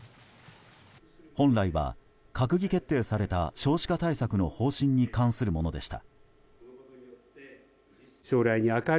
本来は、閣議決定された少子化対策の方針に関するものでした。